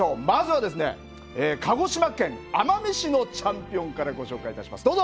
まずはですね鹿児島県奄美市のチャンピオンからご紹介いたします。